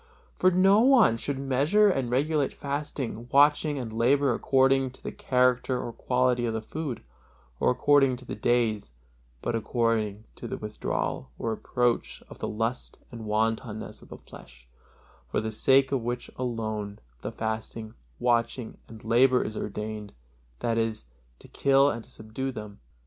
For no one should measure and regulate fasting, watching and labor according to the character or quantity of the food, or according to the days, but according to the withdrawal or approach of the lust and wantonness of the flesh, for the sake of which alone the fasting, watching and labor is ordained, that is, to kill and to subdue them.